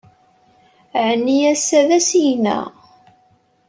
Ɛni ass-a d asigna?